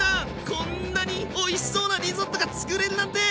こんなにおいしそうなリゾットがつくれるなんて！